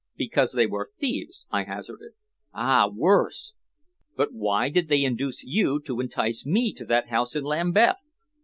"Because they were thieves?" I hazarded. "Ah, worse!" "But why did they induce you to entice me to that house in Lambeth?